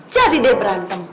jadi deh berantem